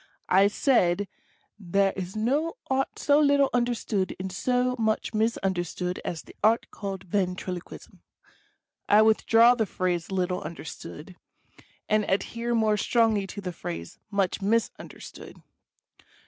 I said, "there is no Art so little understood and so much misunder stood as the Art called Ventriloquism." I withdraw the phrase "little understood,* * and adhere more strongly to the phrase "much misunderstood."